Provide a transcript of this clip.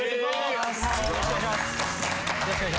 よろしくお願いします。